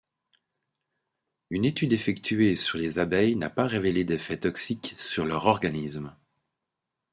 Une étude effectuée sur les abeilles n'a pas révélé d'effets toxiques sur leur organisme.